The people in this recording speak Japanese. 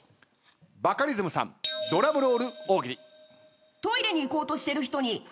バカリズムさんドラムロール大喜利。